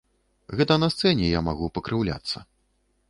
Гэта на сцэне я магу пакрыўляцца.